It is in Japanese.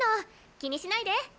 気にしないで！